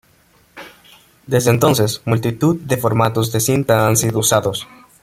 Desde entonces, multitud de formatos de cinta han sido usados.